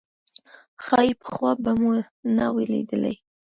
ښايي پخوا به مو نه وه لیدلې.